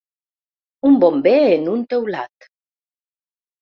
Un bomber en un teulat.